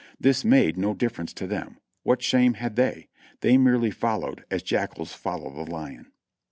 This made no difiference to them — what shame had they? They merely followed as jackals follow the lion.